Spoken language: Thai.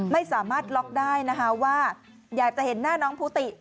ไม่สามารถล็อกได้นะคะว่าอยากจะเห็นหน้าน้องภูติ